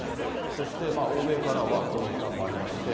そして欧米からは、こういう批判もありまして。